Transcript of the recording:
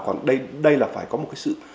còn đây là phải có một cái sự